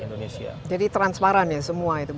jadi semua itu bisa transparan ya